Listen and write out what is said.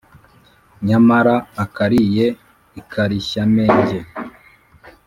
nyamara akariye ikarishyamenge